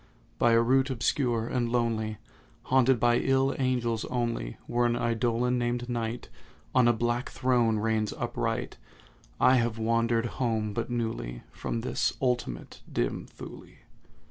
By a route obscure and lonely, Haunted by ill angels only, Where an Eidolon, named NIGHT, On a black throne reigns upright, I have wandered home but newly From this ultimate dim Thule.